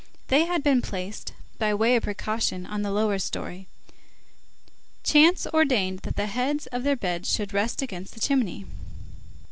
They had been placed, by way of precaution, on the lower story. Chance ordained that the heads of their beds should rest against the chimney.